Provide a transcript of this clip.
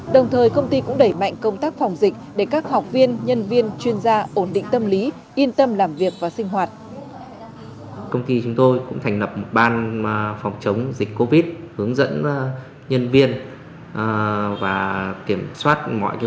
đồng thời công ty cũng đẩy mạnh công tác phòng dịch để các học viên nhân viên chuyên gia ổn định tâm lý yên tâm làm việc và sinh hoạt